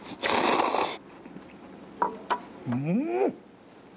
うん！